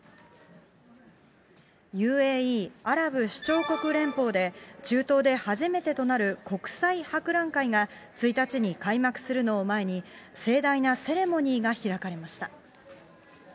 ＵＡＥ・アラブ首長国連邦で、中東で初めてとなる国際博覧会が１日に開幕するのを前に、盛大なセレモニーが開かれました。